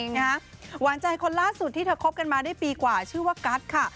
หวานใจคนล่าสุดที่เธอคบกันมาได้ปีกว่าชื่อว่ากัสค่ะ